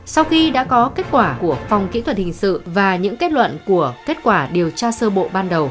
sau khi đã có kết quả của phòng kỹ thuật hình sự và những kết luận của kết quả điều tra sơ bộ ban đầu